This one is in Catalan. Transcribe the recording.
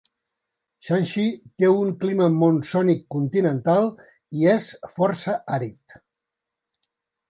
Shanxi té un clima monsònic continental i és força àrid.